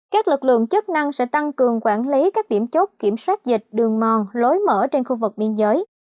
các lực lượng chức năng sẽ tăng cường quản lý các điểm chốt kiểm soát dịch đường mòn lối mở trên khu vực biên giới